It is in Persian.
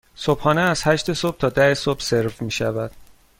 صبحانه از هشت صبح تا ده صبح سرو می شود.